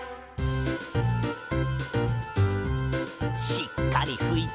しっかりふいて。